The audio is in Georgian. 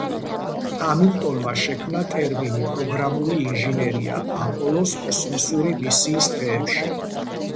ჰამილტონმა შექმნა ტერმინი პროგრამული ინჟინერია აპოლოს კოსმოსური მისიის დღეებში.